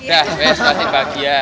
dah pasti bahagia